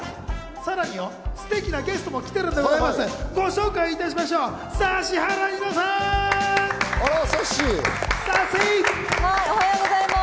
さらにステキなゲストも来ているんでございます。